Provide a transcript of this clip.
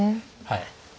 はい。